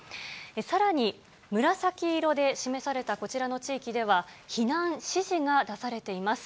さらに紫色で示されたこちらの地域では、避難指示が出されています。